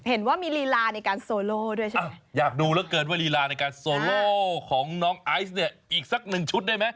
เห็นว่ามีลีลาในการโซโล่ด้วยใช่ไหมอยากดูเหลือเกินว่าลีลาในการโซโลของน้องไอซ์เนี่ยอีกสักหนึ่งชุดได้ไหม